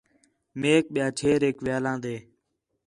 میک ٻِیا چھیریک ویہا لاندے